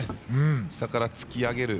下から突き上げる。